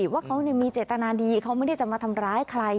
ว่าเขามีเจตนาดีเขาไม่ได้จะมาทำร้ายใคร